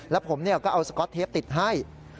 แล้วผมก็เอาสก๊อตเทปติดให้